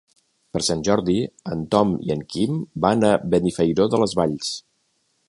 Per Sant Jordi en Tom i en Quim van a Benifairó de les Valls.